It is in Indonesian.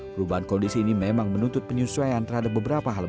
perubahan kondisi ini memang menuntut penyesuaian terhadap beberapa hal